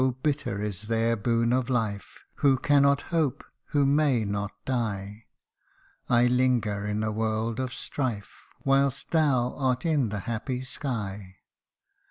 bitter is their boon of life Who cannot hope who may not die I linger in a world of strife, Whilst thou art in the happy sky